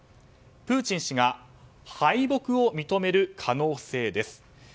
プーチン氏が敗北を認める可能性です。